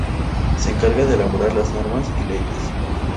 Se encarga de elaborar las normas y leyes.